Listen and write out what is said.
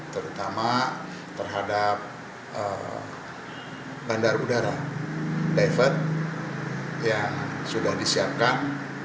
terutama terhadap bandara udara david yang sudah disiapkan